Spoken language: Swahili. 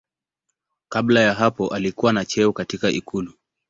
Kabla ya hapo alikuwa na cheo katika ikulu.